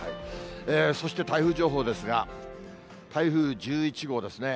そして台風情報ですが、台風１１号ですね。